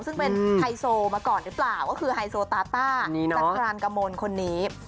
ซึ่งเป็นไฮโซมาก่อนหรือเปล่าก็คือไฮโซตาต้าจากครานกมลคนนี้